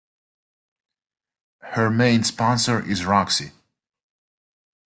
Her main sponsor is Roxy.